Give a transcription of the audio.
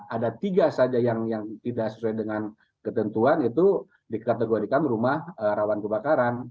ada tiga saja yang tidak sesuai dengan ketentuan itu dikategorikan rumah rawan kebakaran